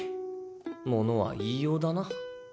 ものは言いようだな。